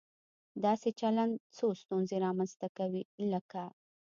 داسې چلن څو ستونزې رامنځته کوي، لکه